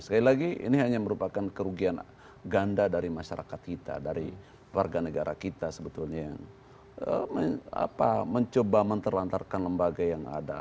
sekali lagi ini hanya merupakan kerugian ganda dari masyarakat kita dari warga negara kita sebetulnya yang mencoba menterlantarkan lembaga yang ada